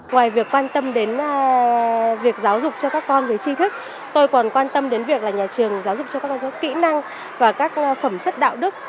ngoài việc quan tâm đến việc giáo dục cho các con về chi thức tôi còn quan tâm đến việc là nhà trường giáo dục cho các con các kỹ năng và các phẩm chất đạo đức